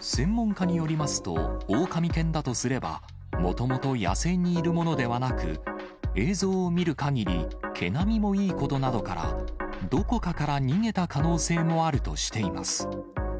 専門家によりますと、オオカミ犬だとすれば、もともと野生にいるものではなく、映像を見るかぎり、毛並みもいいことなどから、どこかから逃げた可能性もあるとしています。